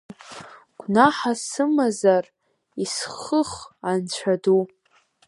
Гәнаҳа сымазар исхых Анцәа ду!